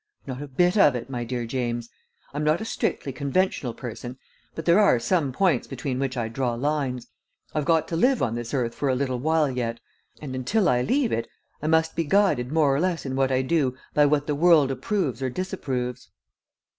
Not a bit of it, my dear James. I'm not a strictly conventional person, but there are some points between which I draw lines. I've got to live on this earth for a little while yet, and until I leave it I must be guided more or less in what I do by what the world approves or disapproves."